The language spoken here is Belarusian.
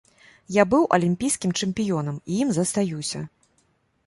Я быў алімпійскім чэмпіёнам і ім застаюся.